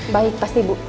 baik pasti bu